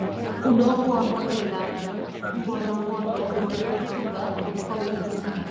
udongo wa bonde la ngorongoro una rutuba kwa wingi sana